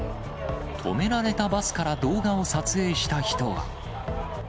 止められたバスから動画を撮影した人は。